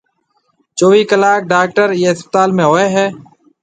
چويھ ڪلاڪ ڊاڪٽر ايئيَ اسپتال ۾ ھوئيَ ھيََََ